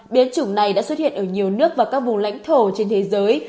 biến chủng này đã xuất hiện ở nhiều nước và các vùng lãnh thổ trên thế giới